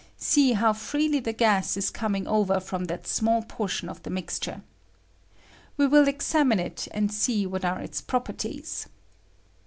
See how freely the gas is coming over from that small portion of the mixture. We will examine it and see what are its prop erties.